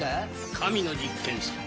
神の実験さ。